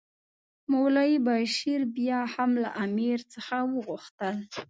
مولوي بشیر بیا هم له امیر څخه وغوښتل.